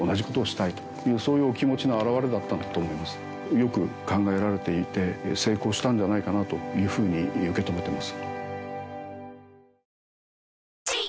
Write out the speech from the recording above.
よく考えられていて成功したんじゃないかなというふうに受け止めてます。